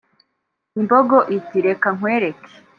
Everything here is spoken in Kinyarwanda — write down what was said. ” Imbogo iti “Reka nkwereke